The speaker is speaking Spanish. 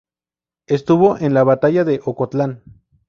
Estuvo en la Batalla de Ocotlán.